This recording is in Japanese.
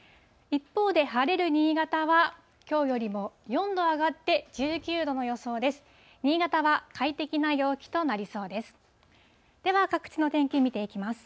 一方で、晴れる新潟は、きょうよりも４度上がって１９度の予想です。